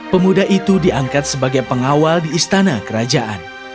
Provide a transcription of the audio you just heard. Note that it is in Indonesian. pemuda itu diangkat sebagai pengawal di istana kerajaan